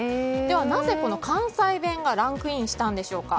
なぜ関西弁がランクインしたんでしょうか。